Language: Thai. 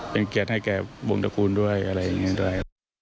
เป็นเกียรติให้แก่วงฎกรุณ์ด้วยอะไรแบบนี้